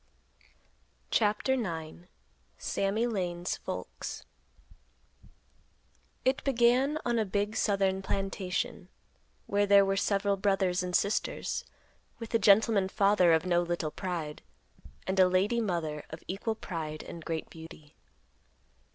CHAPTER IX. SAMMY LANE'S FOLKS. It began on a big southern plantation, where there were several brothers and sisters, with a gentleman father of no little pride, and a lady mother of equal pride and great beauty.